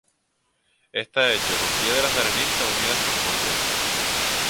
Está hecho con piedras de arenisca unidas con mortero.